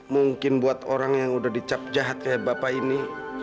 mungkin buat orang yang udah dicap jahat kayak bapak ini